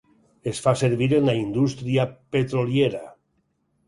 Es fa servir en la indústria petroliera.